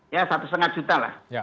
ya satu lima juta lah